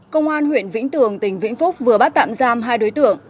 công an huyện vĩnh tường tỉnh vĩnh phúc vừa bắt tạm giam hai đối tượng